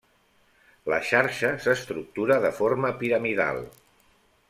La xarxa s'estructura de forma piramidal.